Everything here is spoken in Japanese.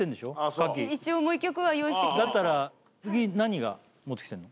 賀喜一応もう一曲は用意してきましただったら次何が持ってきてんの？